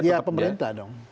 ya pemerintah dong